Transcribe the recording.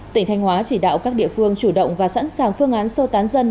tỉnh thanh hóa chỉ đạo các địa phương chủ động và sẵn sàng phương án sơ tán dân